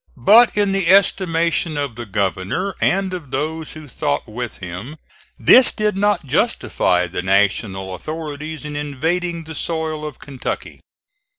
But, in the estimation of the governor and of those who thought with him, this did not justify the National authorities in invading the soil of Kentucky.